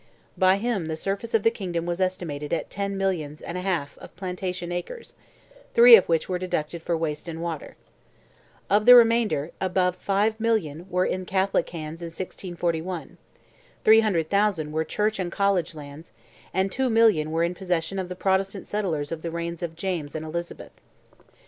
By him the surface of the kingdom was estimated at ten millions and a half plantation acres, three of which were deducted for waste and water. Of the remainder, above 5,000,000 were in Catholic hands in 1641; 300,000 were church and college lands; and 2,000,000 were in possession of the Protestant settlers of the reigns of James and Elizabeth.